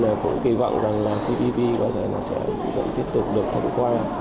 nên cũng kỳ vọng tpp có thể là sẽ tiếp tục được thông qua